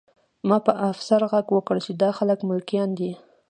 ما په افسر غږ وکړ چې دا خلک ملکیان دي